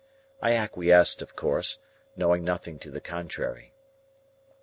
I acquiesced, of course, knowing nothing to the contrary.